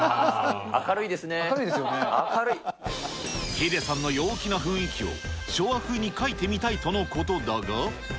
ヒデさんの陽気な雰囲気を、昭和風に描いてみたいとのことだが。